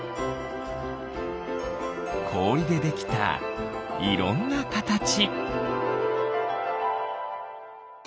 こおりでできたいろんなかたち。